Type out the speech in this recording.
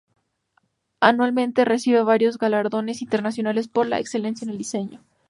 Anualmente recibe varios galardones internacionales por la excelencia en el diseño.